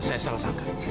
saya salah sangka